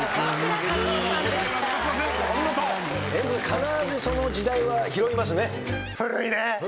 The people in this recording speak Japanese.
必ずその時代は拾いますね。